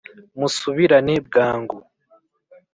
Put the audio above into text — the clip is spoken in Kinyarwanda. musubirane bwangu